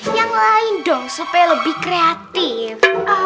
yang lain dong supaya lebih kreatif